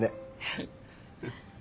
はい。